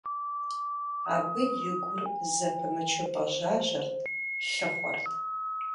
Абы и гур зэпымычу пӏэжьажьэрт, лъыхъуэрт.